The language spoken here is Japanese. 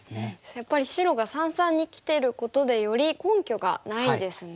やっぱり白が三々にきてることでより根拠がないですね。